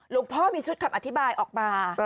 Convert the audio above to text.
พ่อมีชุดคำอธิบายออกมา